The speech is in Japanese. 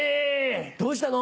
どうしたの？